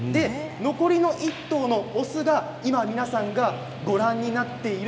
残りの１頭の雄が今皆さんがご覧になっている